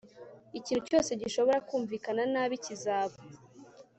Ikintu cyose gishobora kumvikana nabi kizaba